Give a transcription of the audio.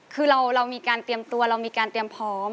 คือเรามีการเตรียมตัวเรามีการเตรียมพร้อม